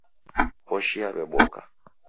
Koshi yaweboka